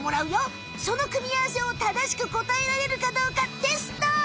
その組み合わせをただしく答えられるかどうかテスト！